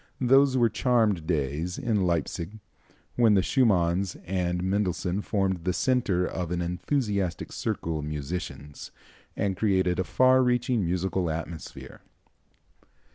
Those were charmed days in Leipsic when the Schumanns and Mendelssohn formed the centre of an enthusiastic circle of musicians, and created a far reaching musical atmosphere.